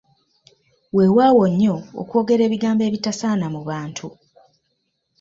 Weewaawo nnyo okwogera ebigambo ebitasaana mu bantu.